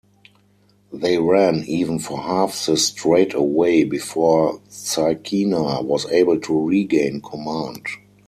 They ran even for half the straightaway before Zykina was able to regain command.